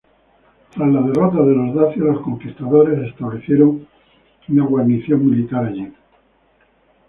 Tras la derrota de los dacios, los conquistadores establecieron una guarnición militar allí.